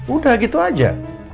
udah gitu aja